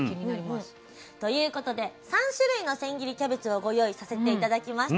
ということで３種類の千切りキャベツをご用意させて頂きました。